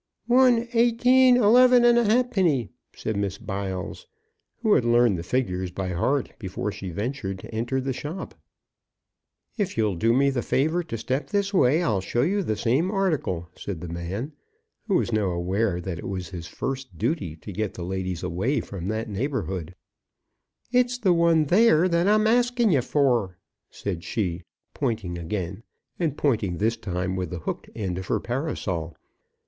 "One, eighteen, eleven and a halfpenny," said Miss Biles, who had learned the figures by heart before she ventured to enter the shop. "If you'll do me the favour to step this way I'll show you the same article," said the man, who was now aware that it was his first duty to get the ladies away from that neighbourhood. But Mrs. Morony did not move. "It's the one there that I'm asking ye for," said she, pointing again, and pointing this time with the hooked end of her parasol.